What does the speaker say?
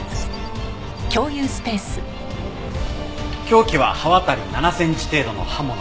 凶器は刃渡り７センチ程度の刃物。